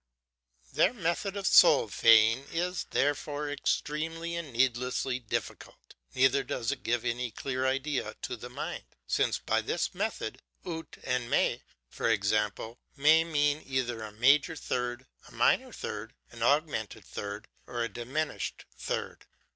Their method of sol faing is, therefore, extremely and needlessly difficult, neither does it give any clear idea to the mind; since, by this method, Ut and Me, for example, may mean either a major third, a minor third, an augmented third, or a diminished third.